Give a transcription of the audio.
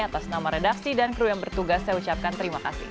atas nama redaksi dan kru yang bertugas saya ucapkan terima kasih